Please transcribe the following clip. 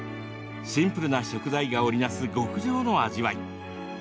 シンプルな食材が織り成す極上の味わい。